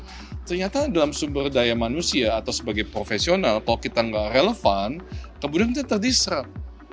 ternyata dalam sumber daya manusia atau sebagai profesional kalau kita nggak relevan kemudian kita terdisrat